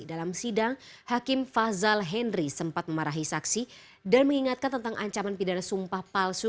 dalam sidang hakim fazal henry sempat memarahi saksi dan mengingatkan tentang ancaman pidana sumpah palsu